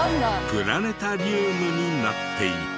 プラネタリウムになっていた。